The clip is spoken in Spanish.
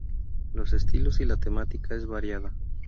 Los estilos y la temática es variada.